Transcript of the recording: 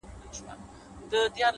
د کندهار ماځيگره، ستا خبر نه راځي،